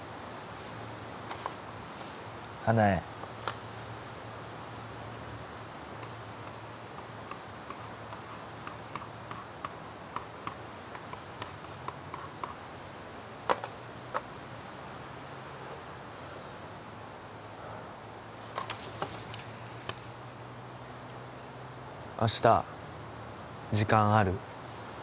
花枝明日時間ある？